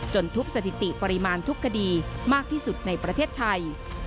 ทุบสถิติปริมาณทุกคดีมากที่สุดในประเทศไทย